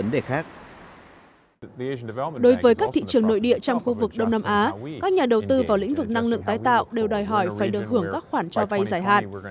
đối với các thị trường nội địa trong khu vực đông nam á các nhà đầu tư vào lĩnh vực năng lượng tái tạo đều đòi hỏi phải được hưởng các khoản cho vay giải hạn